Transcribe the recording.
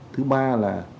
thứ ba là